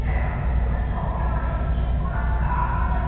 「俺には俺の演技プランがあるんやて」